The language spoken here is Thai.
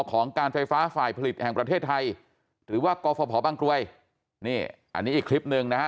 ของการไฟฟ้าฝ่ายผลิตแห่งประเทศไทยหรือว่ากฟภบางกรวยนี่อันนี้อีกคลิปหนึ่งนะฮะ